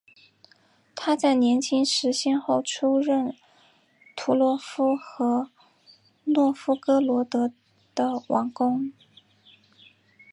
他在年轻时先后出任图罗夫和诺夫哥罗德的王公。